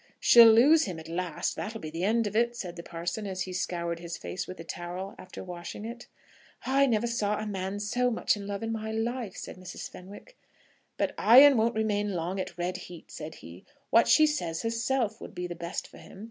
"She'll lose him at last; that'll be the end of it," said the parson, as he scoured his face with a towel after washing it. "I never saw a man so much in love in my life," said Mrs. Fenwick. "But iron won't remain long at red heat," said he. "What she says herself would be the best for him.